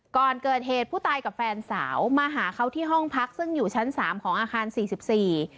ก่อนเกิดเหตุผู้ตายกับแฟนสาวมาหาเขาที่ห้องพักซึ่งอยู่ชั้นสามของอาคารสี่สิบสี่